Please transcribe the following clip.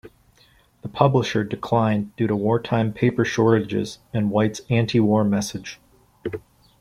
The publisher declined due to wartime paper shortages and White's antiwar message.